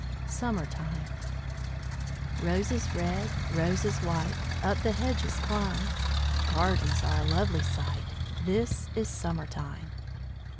SUMMER TIME Roses red, roses white, Up the hedges climb. Gardens are a lovely sight! This is summer time.